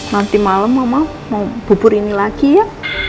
nanti malam mama mau bubur ini lagi ya